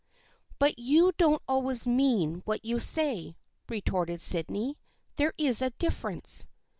" But you don't always mean what you say," re torted Sydney. " There is a difference."